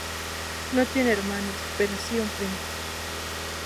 No tiene hermanos, pero sí un primo.